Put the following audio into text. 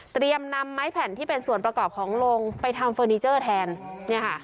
นำไม้แผ่นที่เป็นส่วนประกอบของลงไปทำเฟอร์นิเจอร์แทนเนี่ยค่ะ